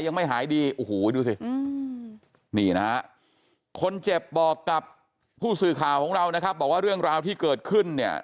ยังไม่หายดีคนเจ็บบอกกับผู้สื่อข่าวของเรานะครับบอกว่าเรื่องราวที่เกิดขึ้นเนี่ย